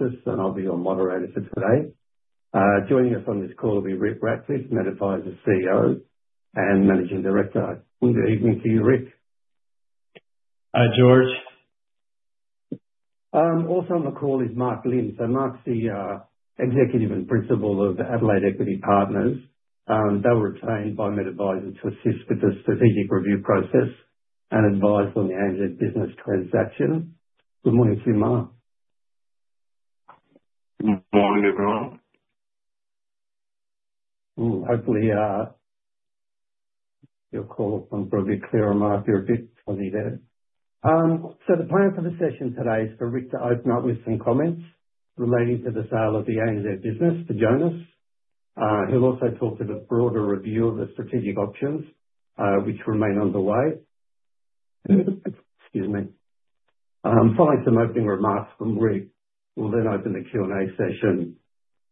[Office], and I'll be your moderator for today. Joining us on this call will be Rick Ratliff, MedAdvisor CEO and Managing Director. Good evening to you, Rick. Hi, George. Also on the call is Mark Lindh. Mark's the Executive and Principal of Adelaide Equity Partners. They were retained by MedAdvisor to assist with the strategic review process and advise on the ANZ business transaction. Good morning to you, Mark. Morning, everyone. Hopefully, your call can probably be clearer, Mark. You're a bit fuzzy there. The plan for the session today is for Rick to open up with some comments relating to the sale of the ANZ business to Jonas. He'll also talk to the broader review of the strategic options, which remain underway. Following some opening remarks from Rick, we'll then open the Q&A session.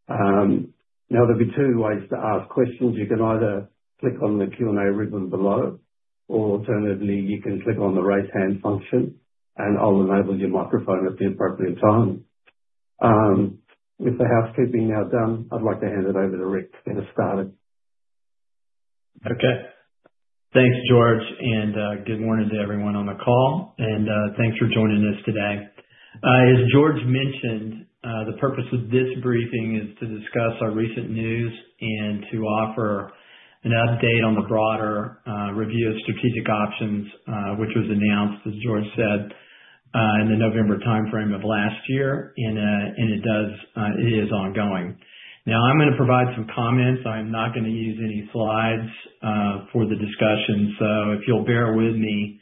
There'll be two ways to ask questions. You can either click on the Q&A ribbon below, or alternatively, you can click on the raise hand function, and I'll enable your microphone at the appropriate time. With the housekeeping now done, I'd like to hand it over to Rick to get us started. Okay. Thanks, George, and good morning to everyone on the call, and thanks for joining us today. As George mentioned, the purpose of this briefing is to discuss our recent news and to offer an update on the broader review of strategic options, which was announced, as George said, in the November timeframe of last year, and it is ongoing. Now, I'm going to provide some comments. I'm not going to use any slides for the discussion. If you'll bear with me,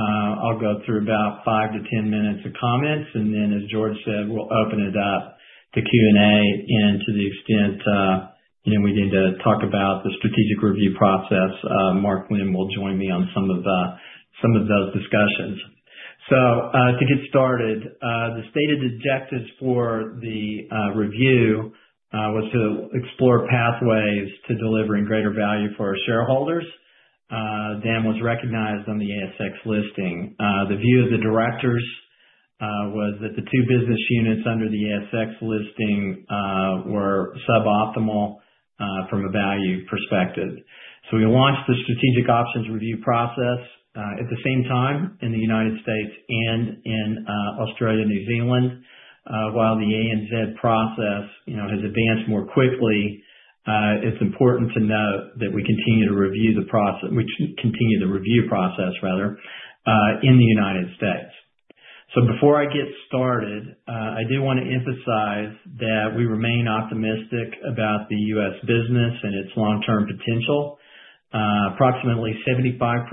I'll go through about five to 10 minutes of comments, and then, as George said, we'll open it up to Q&A, and to the extent we need to talk about the strategic review process, Mark Lindh will join me on some of those discussions. To get started, the stated objectives for the review were to explore pathways to delivering greater value for our shareholders. That was recognized on the ASX listing. The view of the Directors was that the two business units under the ASX listing were suboptimal from a value perspective. We launched the strategic options review process at the same time in the United States and in Australia and New Zealand. While the ANZ process has advanced more quickly, it's important to note that we continue to review the process in the United States. Before I get started, I do want to emphasize that we remain optimistic about the U.S. business and its long-term potential. Approximately 75%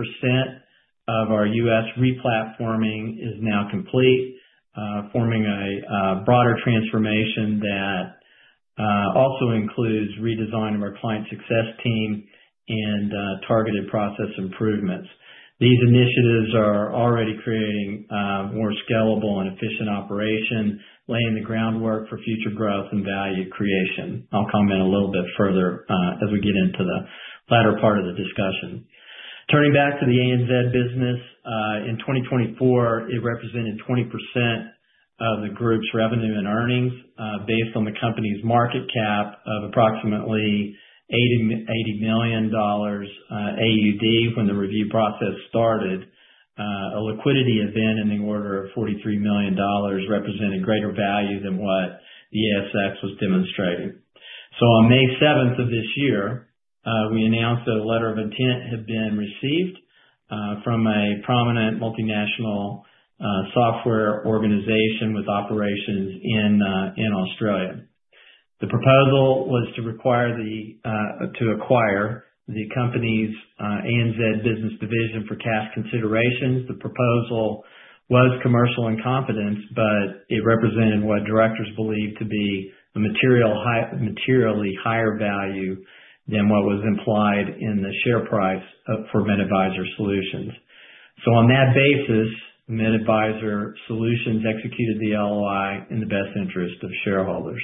of our U.S. replatforming is now complete, forming a broader transformation that also includes redesign of our client success team and targeted process improvements. These initiatives are already creating a more scalable and efficient operation, laying the groundwork for future growth and value creation. I'll comment a little bit further as we get into the latter part of the discussion. Turning back to the ANZ business, in 2024, it represented 20% of the group's revenue and earnings based on the company's market cap of approximately 80 million AUD when the review process started. A liquidity event in the order of 43 million dollars represented greater value than what the ASX was demonstrating. On May 7th of this year, we announced that a letter of intent had been received from a prominent multinational software organization with operations in Australia. The proposal was to acquire the company's ANZ business division for cash considerations. The proposal was commercial in confidence, but it represented what Directors believed to be a materially higher value than what was implied in the share price for MedAdvisor Solutions. On that basis, MedAdvisor Solutions executed the LOI in the best interest of shareholders.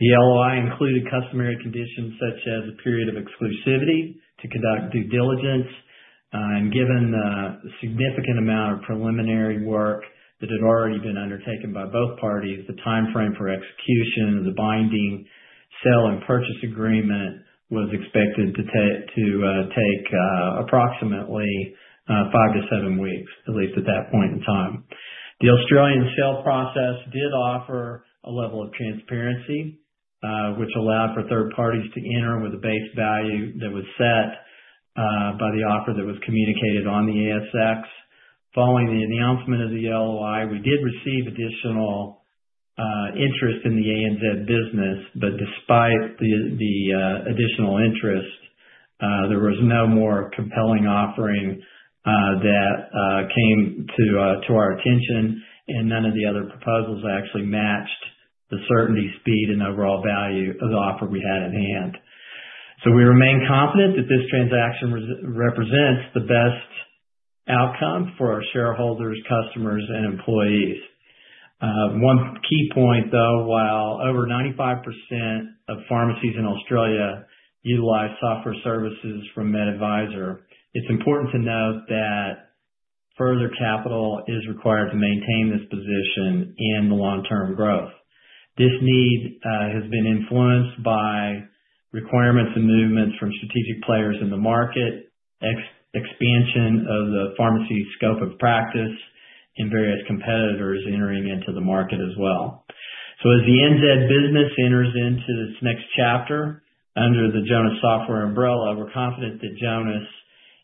The LOI included customary conditions such as a period of exclusivity to conduct due diligence, and given the significant amount of preliminary work that had already been undertaken by both parties, the timeframe for execution of the binding sale and purchase agreement was expected to take approximately five to seven weeks, at least at that point in time. The Australian sale process did offer a level of transparency, which allowed for third-parties to enter with a base value that was set by the offer that was communicated on the ASX. Following the announcement of the LOI, we did receive additional interest in the ANZ business, but despite the additional interest, there was no more compelling offering that came to our attention, and none of the other proposals actually matched the certainty, speed, and overall value of the offer we had in hand. We remain confident that this transaction represents the best outcome for our shareholders, customers, and employees. One key point, though, while over 95% of pharmacies in Australia utilize software services from MedAdvisor, it's important to note that further capital is required to maintain this position and the long-term growth. This need has been influenced by requirements and movements from strategic players in the market, expansion of the pharmacy's scope of practice, and various competitors entering into the market as well. As the ANZ business enters into its next chapter under the Jonas Software umbrella, we're confident that Jonas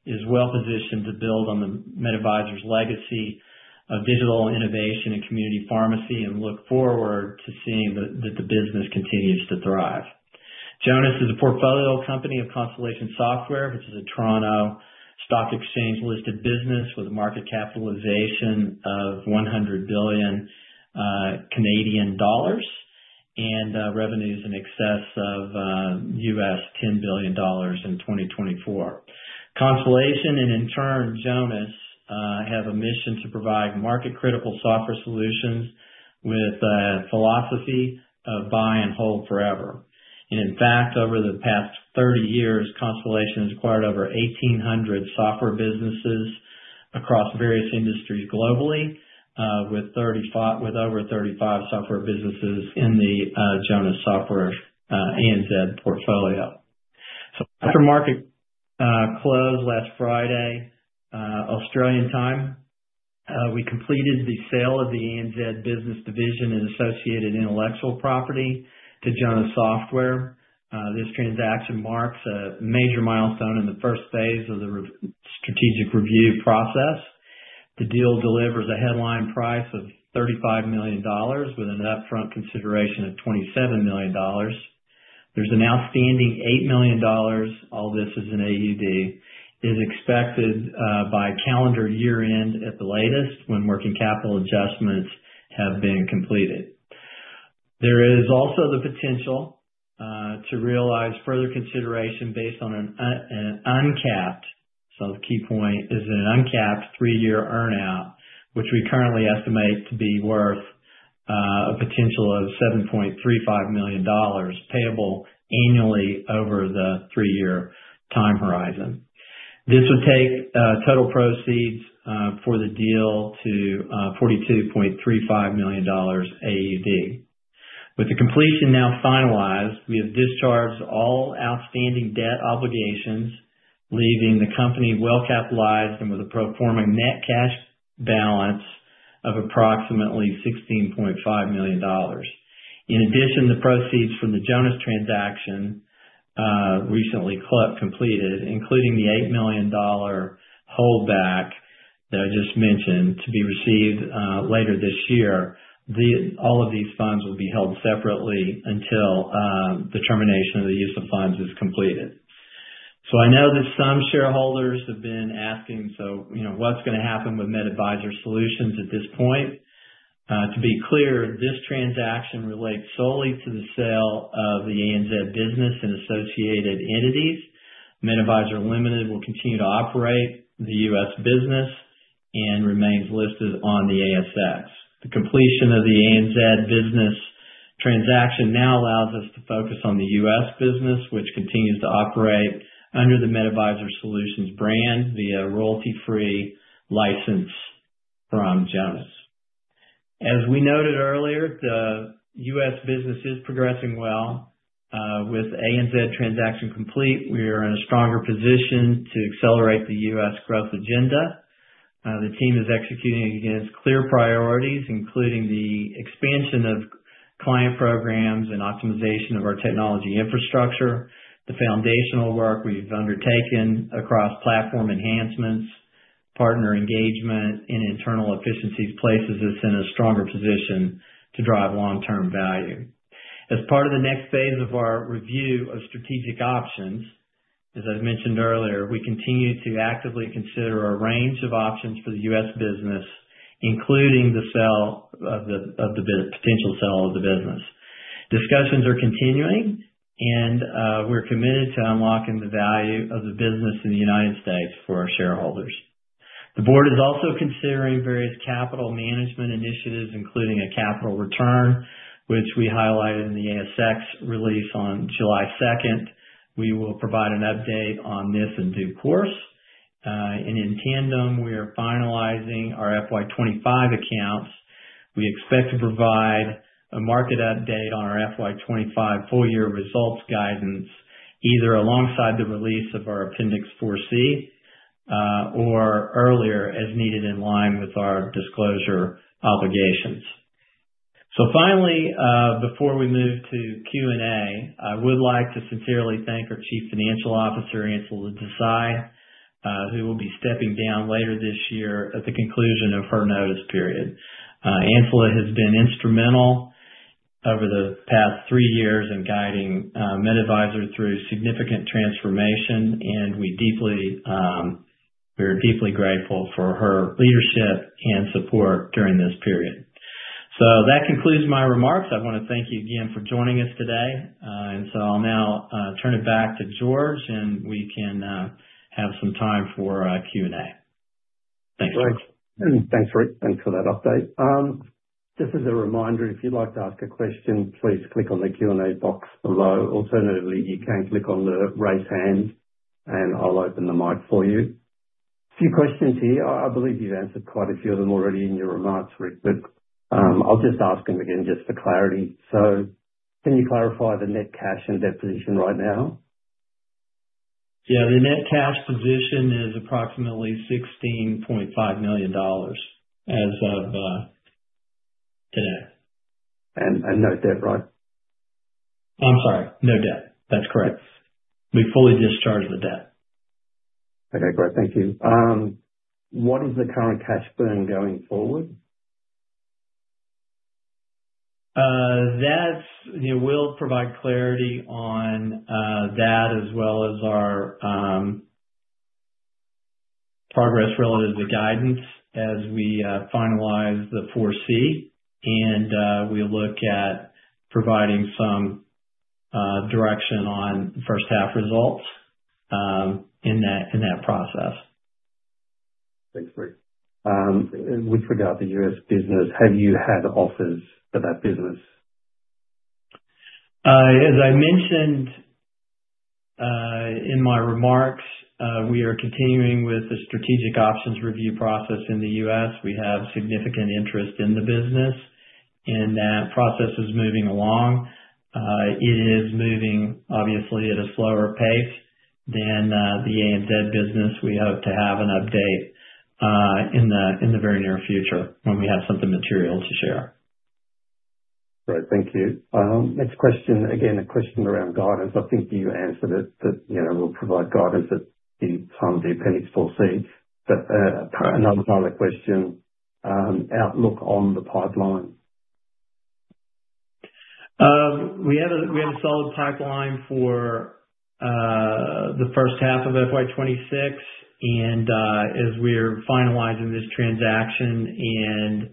is well-positioned to build on MedAdvisor's legacy of digital innovation and community pharmacy and look forward to seeing that the business continues to thrive. Jonas is a portfolio company of Constellation Software, which is a Toronto Stock Exchange listed business with a market capitalization of CAD 100 billion and revenues in excess of U.S. $10 billion in 2024. Constellation and, in turn, Jonas have a mission to provide market-critical software solutions with a philosophy of buy and hold forever. In fact, over the past 30 years, Constellation has acquired over 1,800 software businesses across various industries globally, with over 35 software businesses in the Jonas Software ANZ portfolio. After market closed last Friday, Australian time, we completed the sale of the ANZ business division and associated intellectual property to Jonas Software. This transaction marks a major milestone in the first phase of the strategic review process. The deal delivers a headline price of 35 million dollars with an upfront consideration of 27 million dollars. There's an outstanding 8 million dollars. All this is in AUD, is expected by calendar year end at the latest when working capital adjustments have been completed. There is also the potential to realize further consideration based on an uncapped three-year earnout, which we currently estimate to be worth a potential of 7.35 million dollars payable annually over the three-year time horizon. This would take total proceeds for the deal to 42.35 million AUD. With the completion now finalized, we have discharged all outstanding debt obligations, leaving the company well-capitalized and with a performing net cash balance of approximately 16.5 million dollars. In addition, the proceeds from the Jonas transaction recently completed, including the 8 million dollar holdback that I just mentioned, are to be received later this year. All of these funds will be held separately until the termination of the use of funds is completed. I know that some shareholders have been asking, you know what's going to happen with MedAdvisor Solutions at this point? To be clear, this transaction relates solely to the sale of the ANZ business and associated entities. MedAdvisor Limited will continue to operate the U.S. business and remains listed on the ASX. The completion of the ANZ business transaction now allows us to focus on the U.S. business, which continues to operate under the MedAdvisor Solutions brand via a royalty-free license from Jonas. As we noted earlier, the U.S. business is progressing well. With the ANZ transaction complete, we are in a stronger position to accelerate the U.S. growth agenda. The team is executing against clear priorities, including the expansion of client programs and optimization of our technology infrastructure. The foundational work we've undertaken across platform enhancements, partner engagement, and internal efficiencies places us in a stronger position to drive long-term value. As part of the next phase of our review of strategic options, as I mentioned earlier, we continue to actively consider a range of options for the U.S. business, including the potential sale of the business. Discussions are continuing, and we're committed to unlocking the value of the business in the United States for our shareholders. The Board is also considering various capital management initiatives, including a capital return, which we highlighted in the ASX release on July 2nd. We will provide an update on this in due course. In tandem, we are finalizing our FY 2025 accounts. We expect to provide a market update on our FY 2025 full-year results guidance, either alongside the release of our Appendix 4C or earlier as needed in line with our disclosure obligations. Finally, before we move to Q&A, I would like to sincerely thank our Chief Financial Officer, Ancila Desai, who will be stepping down later this year at the conclusion of her notice period. Ancila has been instrumental over the past three years in guiding MedAdvisor through significant transformation, and we are deeply grateful for her leadership and support during this period. That concludes my remarks. I want to thank you again for joining us today. I'll now turn it back to George, and we can have some time for Q&A. Thanks, George. Thanks, Rick. Thanks for that update. As a reminder, if you'd like to ask a question, please click on the Q&A box below. Alternatively, you can click on the raise hand, and I'll open the mic for you. A few questions here. I believe you've answered quite a few of them already in your remarks, Rick, but I'll just ask them again for clarity. Can you clarify the net cash and debt position right now? Yeah, the net cash position is approximately 16.5 million dollars as of today. No debt, right? I'm sorry, no debt. That's correct. We fully discharged the debt. Okay, great. Thank you. What is the current cash spend going forward? We'll provide clarity on that as well as our progress relative to guidance as we finalize the 4C, and we'll look at providing some direction on the first half results in that process. Thanks, Rick. We forgot the U.S. business. Have you had offers for that business? As I mentioned in my remarks, we are continuing with the strategic review process in the U.S. We have significant interest in the business, and that process is moving along. It is moving, obviously, at a slower pace than the ANZ business. We hope to have an update in the very near future when we have something material to share. Great, thank you. Next question, again, a question around guidance. I think you answered it, but you know we'll provide guidance at the time of the Appendix 4C. Another kind of question, outlook on the pipeline? We have a solid pipeline for the first half of FY 2026, and as we're finalizing this transaction,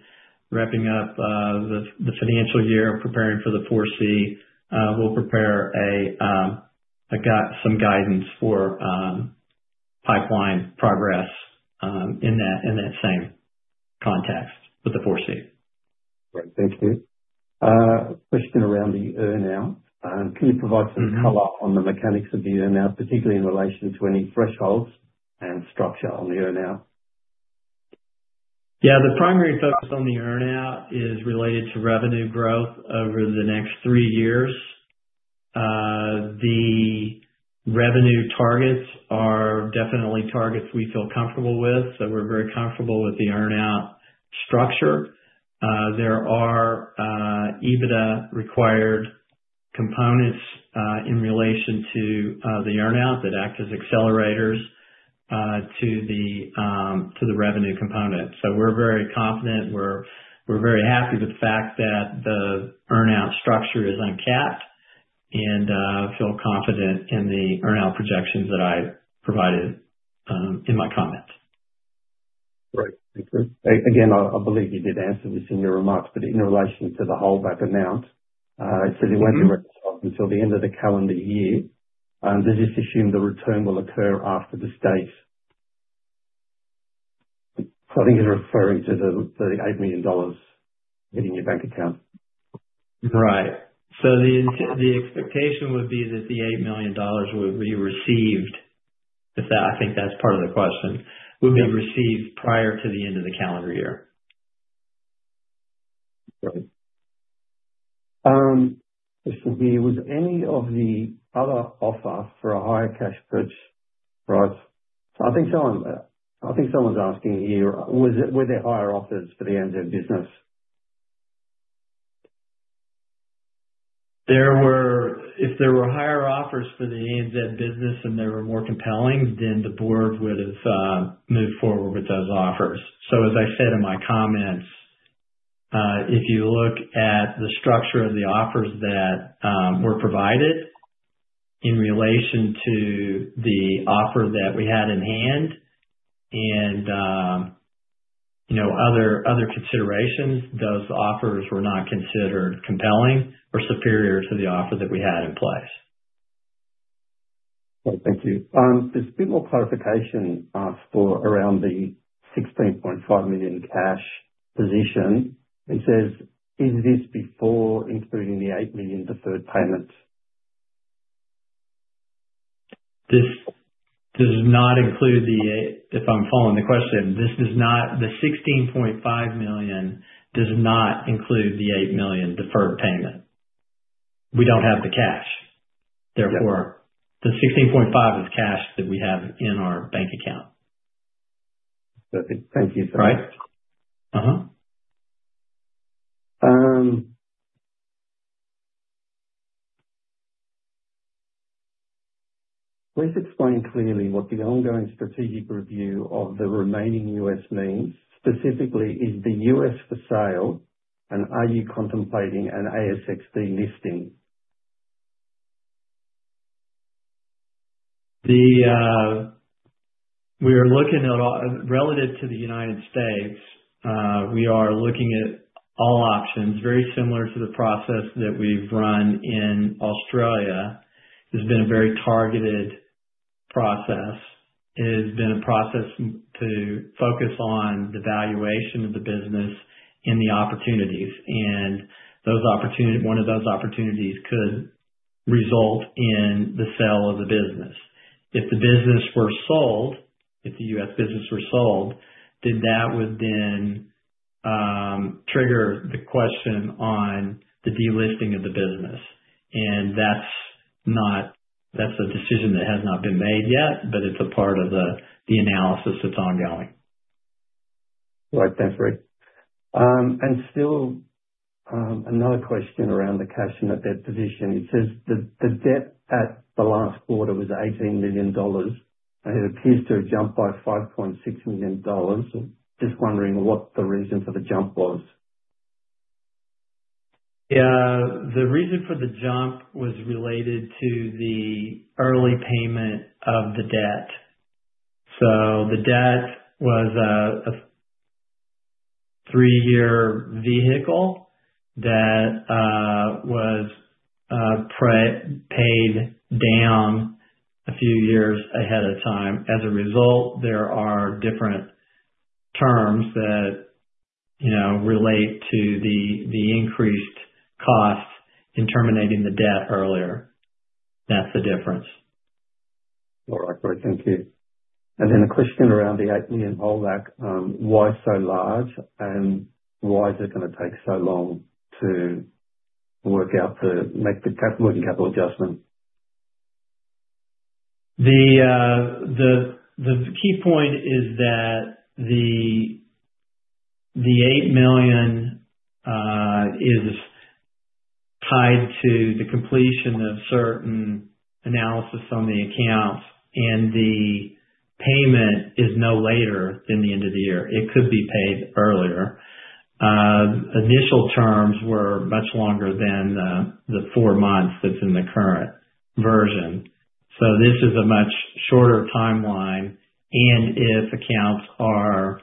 wrapping up the financial year, and preparing for the 4C, we'll prepare some guidance for pipeline progress in that same context with the 4C. Great, thank you. Question around the earnout. Can you provide some color on the mechanics of the earnout, particularly in relation to any thresholds and structure on the earnout? Yeah, the primary focus on the earnout is related to revenue growth over the next three years. The revenue targets are definitely targets we feel comfortable with, so we're very comfortable with the earnout structure. There are EBITDA-required components in relation to the earnout that act as accelerators to the revenue component. We're very confident. We're very happy with the fact that the earnout structure is uncapped and feel confident in the earnout projections that I provided in my comments. Great, thank you. Again, I believe you did answer this in your remarks, but in relation to the holdback amount, it said it won't be until the end of the calendar year. They just assume the return will occur after the states. I think you're referring to the 8 million dollars hitting your bank account. Right. The expectation would be that the 8 million dollars would be received, if that, I think that's part of the question, would be received prior to the end of the calendar year. If we knew, was any of the other offers for a higher cash pitch? I think someone's asking here, were there higher offers for the ANZ business? If there were higher offers for the ANZ business and they were more compelling, the Board would have moved forward with those offers. As I said in my comments, if you look at the structure of the offers that were provided in relation to the offer that we had in hand and other considerations, those offers were not considered compelling or superior to the offer that we had in place. Great, thank you. There's a bit more clarification asked for around the 16.5 million cash position. It says, is this before including the 8 million deferred payment? This does not include the, if I'm following the question, this does not, the 16.5 million does not include the 8 million deferred payment. We don't have the cash. Therefore, the 16.5 million is cash that we have in our bank account. Perfect, thank you. Please explain clearly what the ongoing strategic review of the remaining U.S. names is, specifically is the U.S. for sale, and are you contemplating an ASX listing? We are looking at, relative to the United States, we are looking at all options, very similar to the process that we've run in Australia. It's been a very targeted process. It has been a process to focus on the valuation of the business and the opportunities, and one of those opportunities could result in the sale of the business. If the business were sold, if the U.S. business were sold, that would then trigger the question on the delisting of the business. That's a decision that has not been made yet, but it's a part of the analysis that's ongoing. Right, thanks, Rick. Another question around the cash and the debt position. It says the debt at the last quarter was 18 million dollars, and it appears to have jumped by 5.6 million dollars. Just wondering what the reason for the jump was. Yeah, the reason for the jump was related to the early payment of the debt. The debt was a three-year vehicle that was paid down a few years ahead of time. As a result, there are different terms that relate to the increased costs in terminating the debt earlier. That's the difference. All right, great, thank you. A question around the AUD 8 million holdback: why so large, and why is it going to take so long to work out to make the working capital adjustment? The key point is that the 8 million is tied to the completion of certain analysis on the accounts, and the payment is no later than the end of the year. It could be paid earlier. Initial terms were much longer than the four months that's in the current version. This is a much shorter timeline, and if accounts are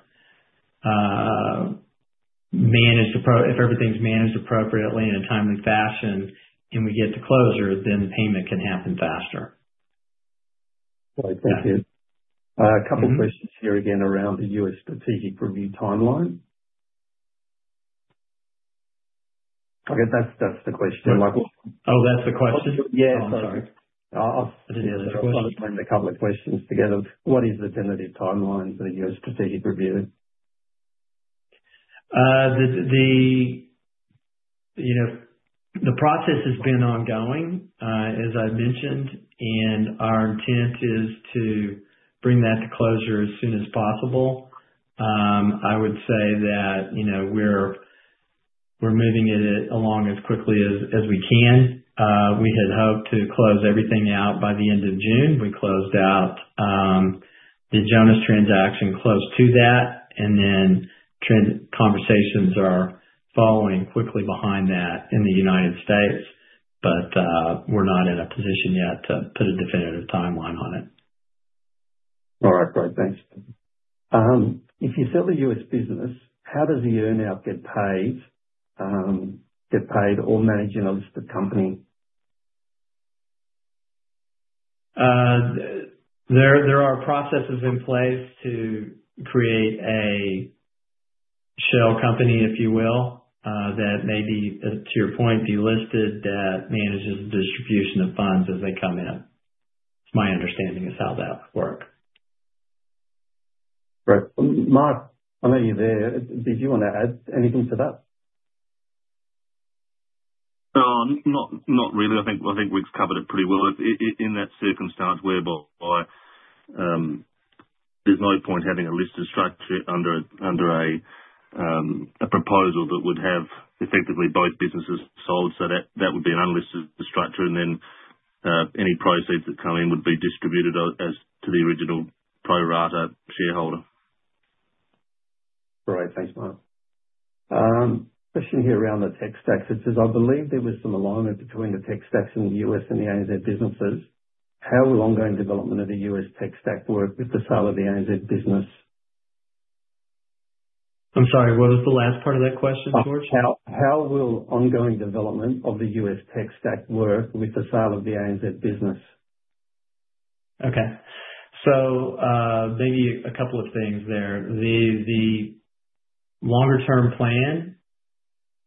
managed, if everything's managed appropriately in a timely fashion and we get to closure, then the payment can happen faster. Great, thank you. A couple of questions here again around the U.S. strategic review timeline. I guess that's the question. Oh, that's the question? I'm sorry. I'll just put a couple of questions together. What is the tentative timeline for the U.S. strategic review? The process has been ongoing, as I mentioned, and our intent is to bring that to closure as soon as possible. I would say that we're moving it along as quickly as we can. We had hoped to close everything out by the end of June. We closed out the Jonas transaction close to that, and conversations are following quickly behind that in the United States, but we're not in a position yet to put a definitive timeline on it. All right, great, thanks. If you sell the U.S. business, how does the earnout get paid or managing a listed company? There are processes in place to create a shell company, if you will, that may be, to your point, be listed that manages the distribution of funds as they come in. It's my understanding is how that works. Right. Mark, I know you're there. Did you want to add anything to that? Not really. I think we've covered it pretty well. In that circumstance, there's no point having a listed structure under a proposal that would have effectively both businesses sold. That would be an unlisted structure, and then any proceeds that come in would be distributed as to the original pro rata shareholder. All right, thanks, Mark. Question here around the tech stacks. It says, I believe there was some alignment between the tech stacks in the U.S. and the ANZ businesses. How will ongoing development of the U.S. tech stack work with the sale of the ANZ business? I'm sorry, what was the last part of that question, George? How will ongoing development of the U.S. tech stack work with the sale of the ANZ business? Okay. Maybe a couple of things there. The longer-term plan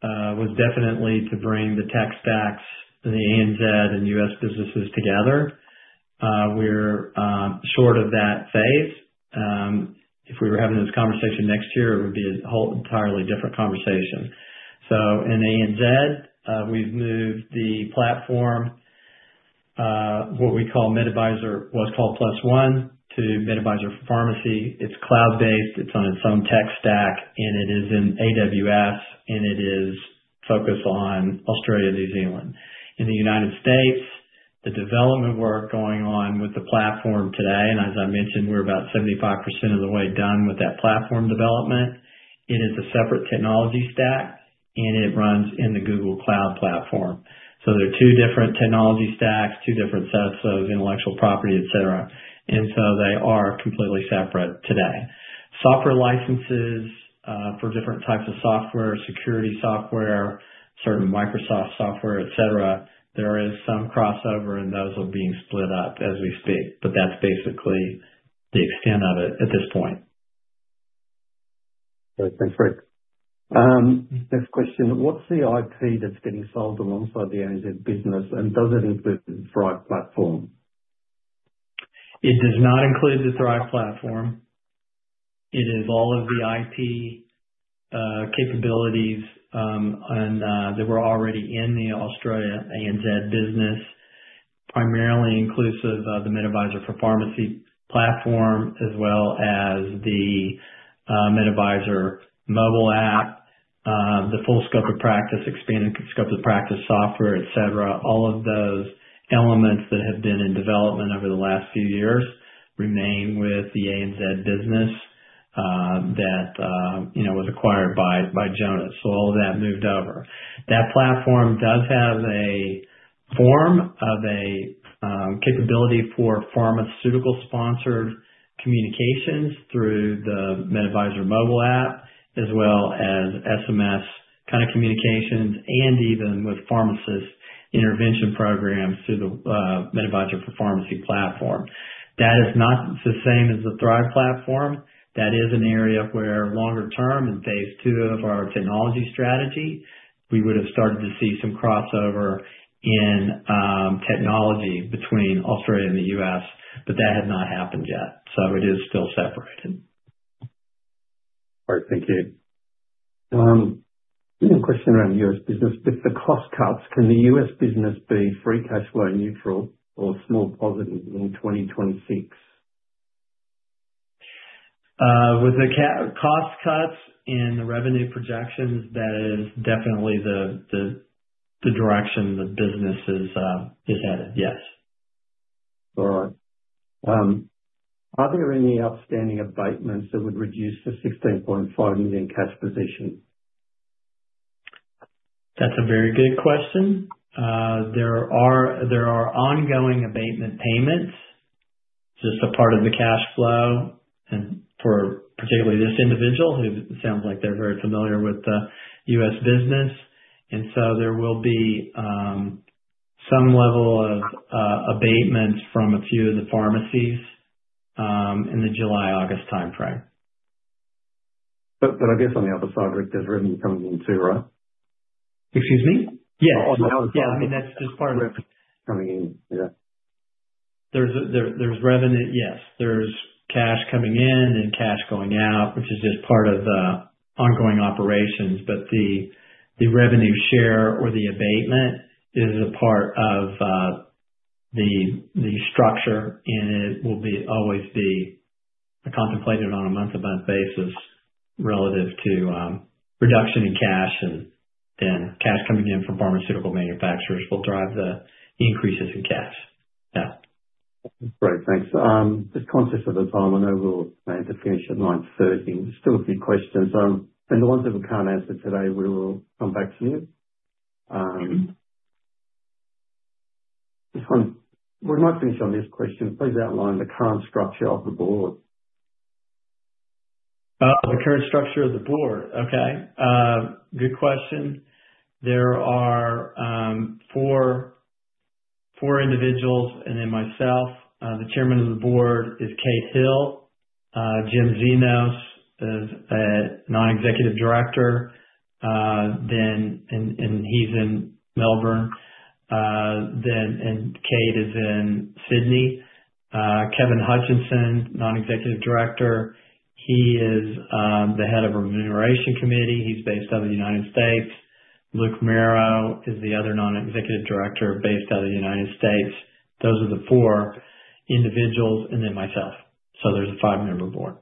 was definitely to bring the tech stacks, the ANZ, and U.S. businesses together. We're short of that phase. If we were having this conversation next year, it would be a whole entirely different conversation. In ANZ, we've moved the platform, what we call MedAdvisor, was called PlusOne to MedAdvisor for Pharmacy. It's cloud-based, it's on its own tech stack, and it is in AWS, and it is focused on Australia, New Zealand. In the United States, the development work going on with the platform today, and as I mentioned, we're about 75% of the way done with that platform development. It is a separate technology stack, and it runs in the Google Cloud Platform. There are two different technology stacks, two different sets of those, intellectual property, etc. They are completely separate today. Software licenses for different types of software, security software, certain Microsoft software, etc., there is some crossover, and those are being split up as we speak, but that's basically the extent of it at this point. Great. Thanks, Rick. Next question. What's the IP that's getting sold alongside the ANZ business, and does it include the Thrive platform? It does not include the Thrive platform. It is all of the IP capabilities, and they were already in the Australia ANZ business, primarily inclusive of the MedAdvisor for Pharmacy platform, as well as the MedAdvisor mobile app, the full scope of practice, expanded scope of practice software, etc. All of those elements that have been in development over the last few years remain with the ANZ business that was acquired by Jonas. All of that moved over. That platform does have a form of a capability for pharmaceutical-sponsored communications through the MedAdvisor mobile app, as well as SMS kind of communications, and even with pharmacist intervention programs through the MedAdvisor for Pharmacy platform. That is not the same as the Thrive platform. That is an area where longer-term and phase II of our technology strategy, we would have started to see some crossover in technology between Australia and the U.S., but that had not happened yet. It is still separated. All right, thank you. Question around the U.S. business. If the cost cuts, can the U.S. business be free cash flow neutral or small positive in 2026? With the cost cuts in the revenue projections, that is definitely the direction the business is headed, yes. All right. Are there any outstanding abatements that would reduce the 16.5 million cash position? That's a very good question. There are ongoing abatement payments, just a part of the cash flow, particularly for this individual, who sounds like they're very familiar with the U.S. business. There will be some level of abatements from a few of the pharmacies in the July-August timeframe. I guess on the other side, Rick, there's revenue coming in too, right? Excuse me? Yeah, I mean, that's just part of it. Coming in, yeah. There's revenue, yes. There's cash coming in and cash going out, which is just part of the ongoing operations, but the revenue share or the abatement is a part of the structure, and it will always be contemplated on a month-to-month basis relative to reduction in cash, and then cash coming in from pharmaceutical manufacturers will drive the increases in cash. Yeah. Great, thanks. Just conscious of the time, I know we'll have to finish at 9:30 A.M. There's still a few questions, and the ones that we can't answer today, we'll come back to you. I just want to, we're not finished on this question. Please outline the current structure of the Board. The current structure of the Board, okay. Good question. There are four individuals, and then myself. The Chairman of the Board is Kate Hill. Jim Xenos is a Non-Executive Director, and he's in Melbourne. Kate is in Sydney. Kevin Hutchinson, Non-Executive Director, is the Head of the Remuneration Committee. He's based out of the United States. Luke Merrow is the other Non-Executive Director based out of the United States. Those are the four individuals, and then myself. There's a five-member Board.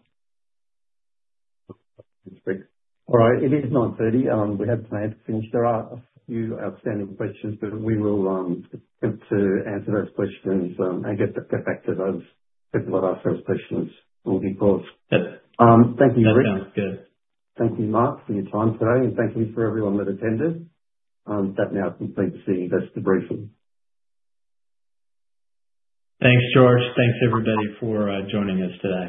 All right. It is 9:30 A.M. We have time to finish. There are a few outstanding questions, but we will attempt to answer those questions. I guess we'll get back to those. People that ask those questions will be paused. Thank you, everyone. Thank you, Mark, for your time today, and thank you for everyone that attended. That now concludes the investigation. Thanks, George. Thanks, everybody, for joining us today.